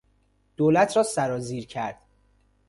دولت را سرازیر کرد